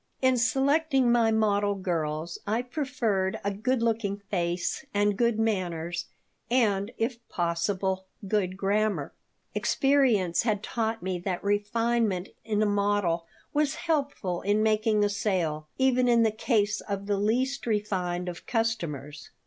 In selecting my model girls, I preferred a good looking face and good manners, and, if possible, good grammar. Experience had taught me that refinement in a model was helpful in making a sale, even in the case of the least refined of customers.